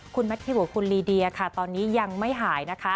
คุณแมททิวกับคุณลีเดียค่ะตอนนี้ยังไม่หายนะคะ